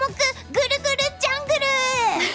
ぐるぐるジャングル！